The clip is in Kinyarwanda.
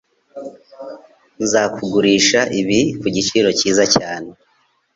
Nzakugurisha ibi ku giciro cyiza cyane.